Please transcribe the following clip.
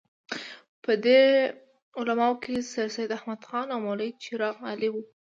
په دې علماوو کې سرسید احمد خان او مولوي چراغ علي وو.